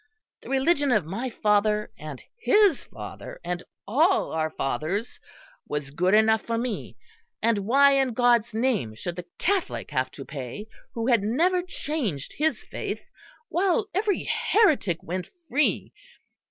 The religion of my father and his father and all our fathers was good enough for me; and why in God's name should the Catholic have to pay who had never changed his faith, while every heretic went free?